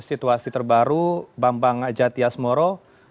situasi terbaru bambang jatias moro